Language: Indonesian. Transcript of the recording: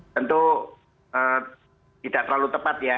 tentu tidak terlalu tepat ya